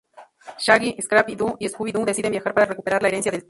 Shaggy, Scrappy-Doo y Scooby-Doo deciden viajar para recuperar la herencia del tío.